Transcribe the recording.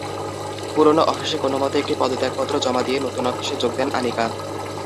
পুরোনো অফিসে কোনোমতে একটি পদত্যাগপত্র জমা দিয়ে নতুন অফিসে যোগ দেন আনিকা।